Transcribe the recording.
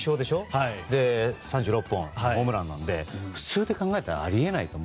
それで３６本のホームランなので普通で考えたらあり得ないと。